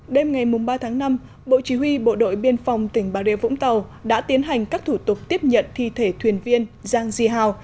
đêm ngày ba tháng năm bộ chỉ huy bộ đội biên phòng tỉnh bà rê vũng tàu đã tiến hành các thủ tục tiếp nhận thi thể thuyền viên giang di hao